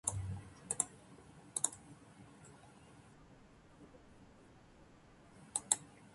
牛のげっぷは環境に悪い